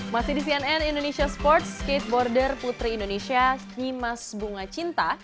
masih di cnn indonesia sports skateboarder putri indonesia kimas bunga cinta